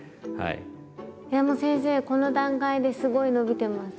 いやもう先生この段階ですごい伸びてます。